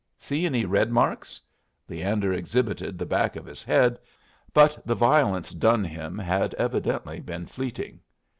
See any red marks?" Leander exhibited the back of his head, but the violence done him had evidently been fleeting.